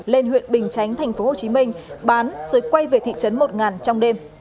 lên huyện bình chánh tp hcm bán rồi quay về thị trấn một trong đêm